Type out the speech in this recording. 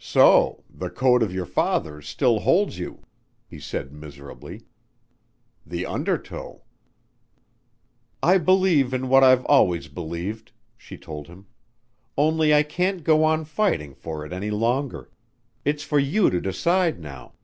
"So, the code of your fathers still holds you," he said miserably. "The undertow." "I believe in what I've always believed," she told him. "Only I can't go on fighting for it any longer. It's for you to decide now